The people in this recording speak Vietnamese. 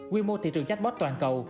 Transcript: quy mô thị trường chatbot toàn cầu